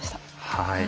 はい。